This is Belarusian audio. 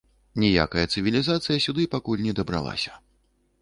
Ніякая цывілізацыя сюды пакуль не дабралася.